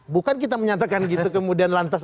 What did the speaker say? bukan kita menyatakan gitu kemudian lantas